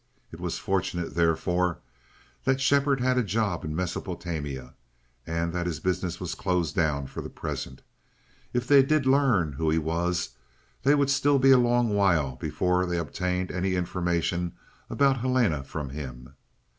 It was fortunate, therefore, that Shepherd had a job in Mesopotamia, and that his business was closed down for the present. If they did learn who he was, they would still be a long while before they obtained any information about Helena from him.